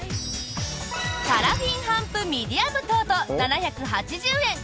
パラフィン帆布ミディアムトート７８０円。